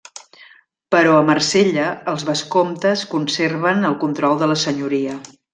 Però a Marsella els vescomtes conserven el control de la senyoria.